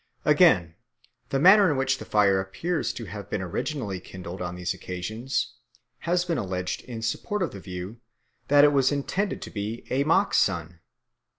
Again, the manner in which the fire appears to have been originally kindled on these occasions has been alleged in support of the view that it was intended to be a mock sun.